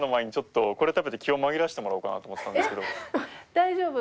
大丈夫？